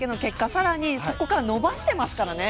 更に、そこから伸ばしていますからね。